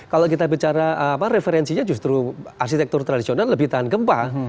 kalau kita bicara referensinya justru arsitektur tradisional lebih tahan gempa